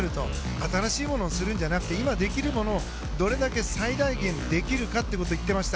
新しいものをするんじゃなくて今できるものをどれだけ最大限できるかと言っていました。